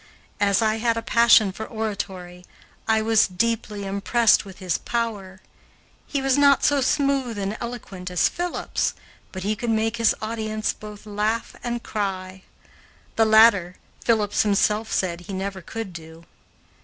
As I had a passion for oratory, I was deeply impressed with his power. He was not so smooth and eloquent as Phillips, but he could make his audience both laugh and cry; the latter, Phillips himself said he never could do.